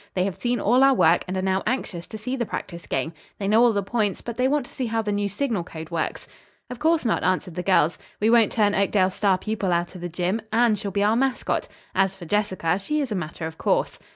They have seen all our work and are now anxious to see the practice game. They know all the points, but they want to see how the new signal code works." "Of course not," answered the girls. "We won't turn Oakdale's star pupil out of the gym. Anne shall be our mascot. As for Jessica, she is a matter of course."